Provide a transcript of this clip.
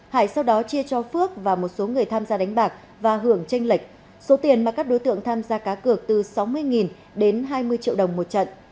hải sau đó chia cho phước và một số người tham gia đánh bạc và hưởng tranh lệch số tiền mà các đối tượng tham gia cá cược từ sáu mươi đến hai mươi triệu đồng một trận